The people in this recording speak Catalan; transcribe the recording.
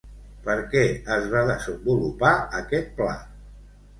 Per què es va desenvolupar aquest pla?